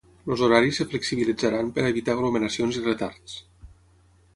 Els horaris es flexibilitzaran per a evitar aglomeracions i retards.